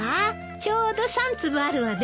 ちょうど３粒あるわね。